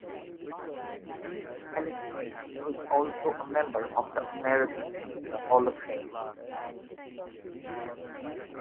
Helen Hayes is also a member of the American Theatre Hall of Fame.